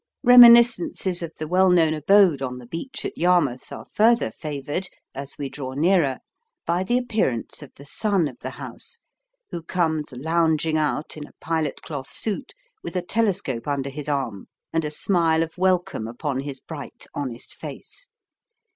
Reminiscences of the well known abode on the beach at Yarmouth are further favoured, as we draw nearer, by the appearance of the son of the house, who comes lounging out in a pilot cloth suit, with a telescope under his arm, and a smile of welcome upon his bright, honest face.